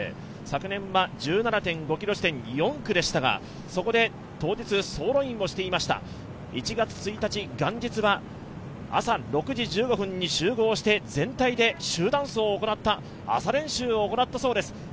昨年は１７．５ｋｍ地点、４区でしたがそこで当日、走路員をしていました１月１日、元日は朝６時１５分に集合して全体で集団走を行った、朝練習を行ったそうです。